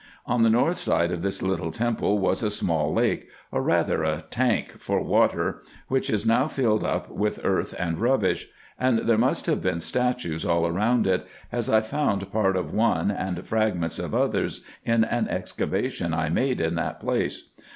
On the north side of this little temple was a small lake, or rather a tank for water, which is now filled up with earth and rubbish ; and there must have been statues all round it, as I found part of one and fragments of others in an excavation I made in that place.